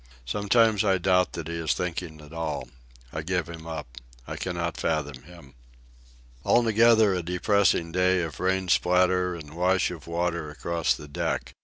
Sometimes I doubt that he is thinking at all. I give him up. I cannot fathom him. Altogether a depressing day of rain splatter and wash of water across the deck.